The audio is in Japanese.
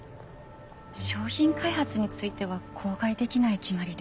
商品開発については口外できない決まりで。